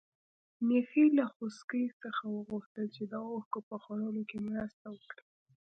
میښې له خوسکي څخه وغوښتل چې د واښو په خوړلو کې مرسته وکړي.